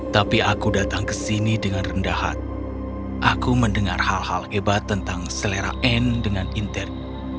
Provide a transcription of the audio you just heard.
tapi aku datang ke sini dengan rendah hati aku mendengar hal hal hebat tentang selera anne dengan internet